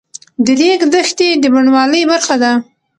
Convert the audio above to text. د ریګ دښتې د بڼوالۍ برخه ده.